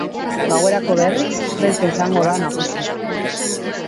Gauerako, berriz, beltza izango da nagusi.